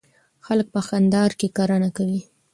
خلک په کندهار کي کرنه کوي.